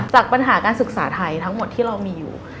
จากปัญหาการศึกษาไทยทั้งหมดที่เรามีอยู่